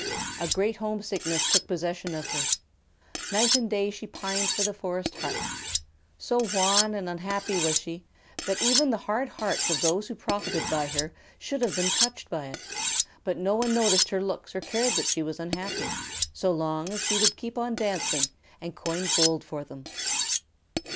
A great homesickness took possession of her. Night and day she pined for the forest hut. So wan and unhappy was she, that even the hard hearts of those who profited by her should have been touched by it; but no one noticed her looks or cared that she was unhappy, so long as she would keep on dancing and coin gold for them.